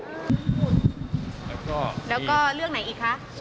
แล้วก็เรื่องไหนอีกคะ